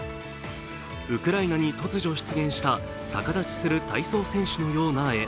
ウクライナに突如出現した逆立ちする体操選手のような絵。